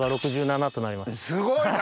すごいな。